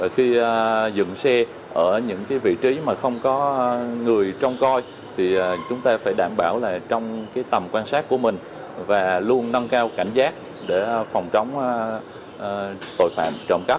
khi dựng xe ở những vị trí mà không có người trông coi thì chúng ta phải đảm bảo là trong tầm quan sát của mình và luôn nâng cao cảnh giác để phòng chống tội phạm trộm cắp